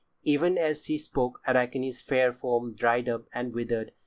[Pg 88] Even as she spoke, Arachne's fair form dried up and withered.